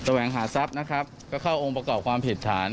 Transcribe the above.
แหวงหาทรัพย์นะครับก็เข้าองค์ประกอบความผิดฐาน